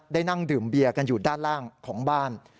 นั่งดื่มเบียร์กันอยู่ด้านล่างของบ้าน